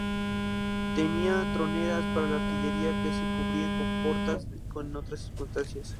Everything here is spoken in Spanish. Tenía troneras para la artillería que se cubrían con portas en otras circunstancias.